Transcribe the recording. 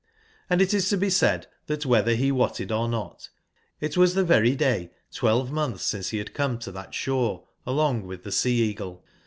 Hnd it is to be said thatwhetherhewot/ ted or not, it was the very day twelve months since he had come to that shore along with the Sea/eagle.